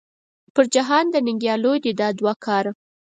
پر جهان د ننګیالو دې دا دوه کاره .